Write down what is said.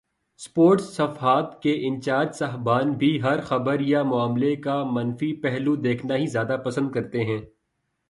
Sports صفحات کے incharge صاحبان بھی ہر خبر یا معاملے کا منفی پہلو دیکھنا ہی زیادہ پسند کرتے ہیں۔